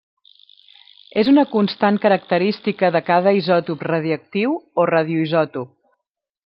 És una constant característica de cada isòtop radioactiu o radioisòtop.